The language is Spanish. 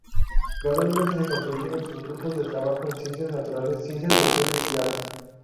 Gradualmente se constituyeron sus grupos de trabajo en ciencias naturales, ciencias sociales y arte.